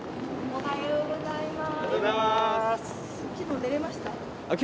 おはようございます。